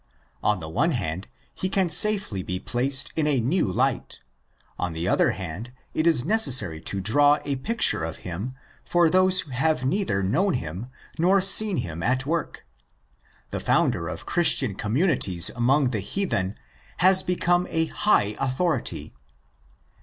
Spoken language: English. On the one hand, he can safely be placed in a new THE SECOND EPISTLE 207 light; on the other hand, it is necessary to draw a picture of him for those who have neither known him nor seen him at work. The founder of Christian communities among the heathen has become a high authority.